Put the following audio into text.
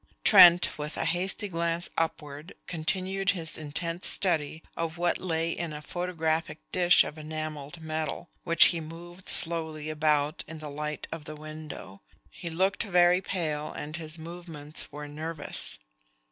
Trent, with a hasty glance upward, continued his intent study of what lay in a photographic dish of enameled metal, which he moved slowly about in the light of the window. He looked very pale and his movements were nervous.